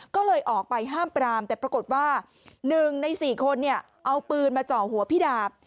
ก็เลยออกไปห้ามปรามแต่ปรากฏว่า๑ใน๔คนเนี่ยเอาปืนมาเจาะหัวพี่ดาบ